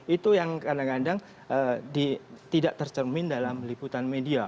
itu yang kadang kadang tidak tercermin dalam liputan media